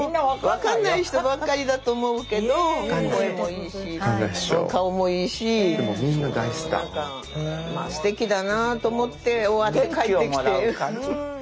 分かんない人ばっかりだと思うけど声もいいし顔もいいしすてきだなと思って終わって帰ってきて。